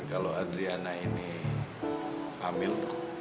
kalau adriana ini hamil